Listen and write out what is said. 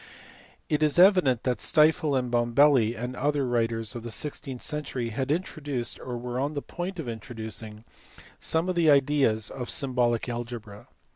It is evident that Stifel and Bombelli and other writers of the sixteenth century had introduced or were on the point of introducing some of the ideas of symbolic algebra.